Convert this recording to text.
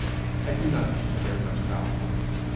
I do not think he cared much about them.